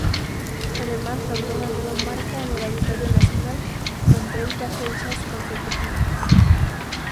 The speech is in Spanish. Además logró una nueva marca en el Auditorio Nacional, con treinta fechas consecutivas.